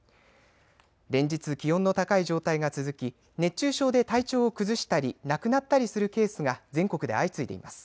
連日、気温の高い状態が続き熱中症で体調を崩したり亡くなったりするケースが全国で相次いでいます。